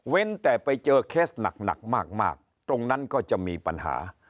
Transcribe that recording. แต่ไปเจอเคสหนักมากตรงนั้นก็จะมีปัญหา